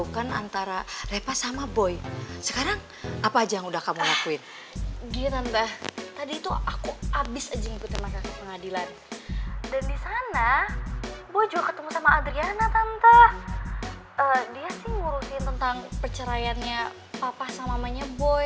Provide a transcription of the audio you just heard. dia sih ngurusin tentang perceraiannya papa sama mamanya boy